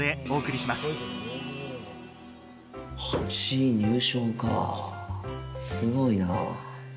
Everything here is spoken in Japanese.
８位入賞かぁすごいなぁ。